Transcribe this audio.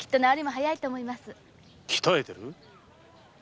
鍛えている？